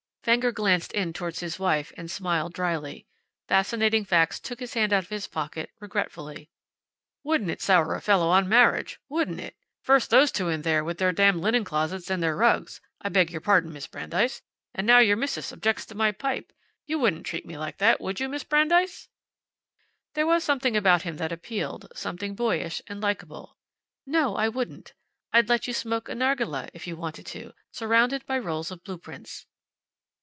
Fenger glanced in toward his wife, and smiled, dryly. Fascinating Facts took his hand out of his pocket, regretfully. "Wouldn't it sour a fellow on marriage! Wouldn't it! First those two in there, with their damned linen closets, and their rugs I beg your pardon, Miss Brandeis! And now your missus objects to my pipe. You wouldn't treat me like that, would you, Miss Brandeis?" There was about him something that appealed something boyish and likeable. "No, I wouldn't. I'd let you smoke a nargileh, if you wanted to, surrounded by rolls of blue prints."